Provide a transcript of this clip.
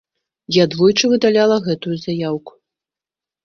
Я двойчы выдаляла гэтую заяўку.